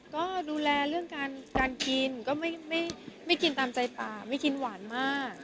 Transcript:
ก็ดูแลเรื่องการกินก็ไม่กินตามใจป่าไม่กินหวานมาก